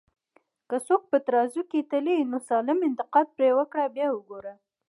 که څوک په ترازو کی تلې، نو سالم انتقاد پر وکړه بیا وګوره